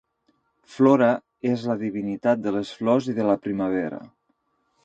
Flora és la divinitat de les flors i de la primavera.